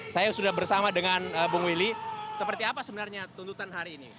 saya sudah bersama dengan bung willy seperti apa sebenarnya tuntutan hari ini